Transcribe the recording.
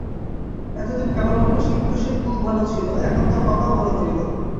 এতদিন কেবলমাত্র শিবতোষের কুল ভালো ছিল, এখন তার কপাল ভালো হইল।